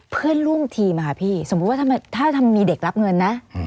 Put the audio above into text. เพื่อนร่วมทีมค่ะพี่สมมุติว่าถ้ามีเด็กรับเงินนะ